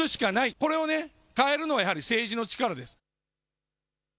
これをね、変えるのはやはり政治の力です。